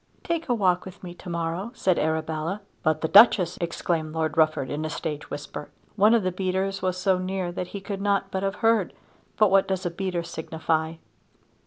"Take a walk with me to morrow," said Arabella. "But the Duchess?" exclaimed Lord Rufford in a stage whisper. One of the beaters was so near that he could not but have heard; but what does a beater signify?